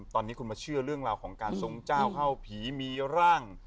ตอนนี้คุณมาเชื่อเรื่องราวของการทรงเจ้าเข้าผีมีร่าง